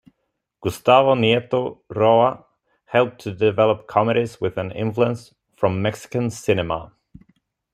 Gustavo Nieto Roa helped to develop comedies with an influence from Mexican cinema.